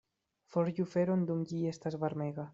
Forĝu feron dum ĝi estas varmega.